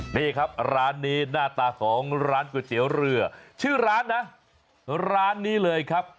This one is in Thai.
นี่ครับร้านนี้หน้าตาของร้านก๋วยเตี๋ยวเรือชื่อร้านนะร้านนี้เลยครับ